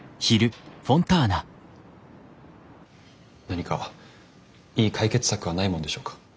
何かいい解決策はないもんでしょうか。